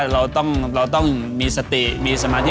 เราต้องมีสติมีสมาธิ